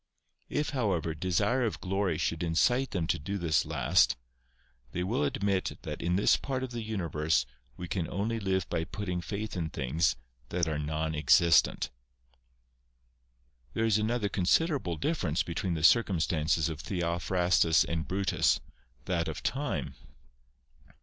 If, however, desire of glory should incite them to do this last, they will admit that in this part of the universe we can only live by putting faith in things that are non existent. There is another considerable difference between the circumstances of Theophrastus and Brutus, that of time.